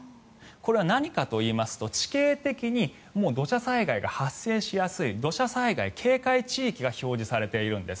これは何かといいますと地形的に土砂災害が発生しやすい土砂災害警戒地域が表示されているんです。